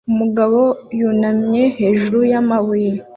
Umugabo yunamye hejuru yamabuye